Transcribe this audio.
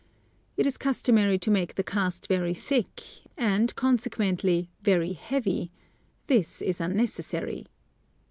It is customary to make the cast very thick, and, consequently, very heavy ; this is unnecessary.